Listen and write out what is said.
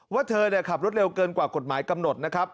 ว่าเธอขับรถเร็วเกินกว่ากฎหมายกำหนดนะครับ